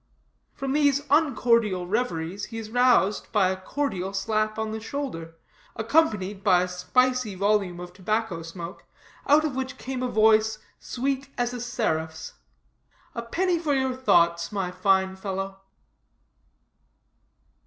From these uncordial reveries he is roused by a cordial slap on the shoulder, accompanied by a spicy volume of tobacco smoke, out of which came a voice, sweet as a seraph's: "A penny for your thoughts, my fine fellow."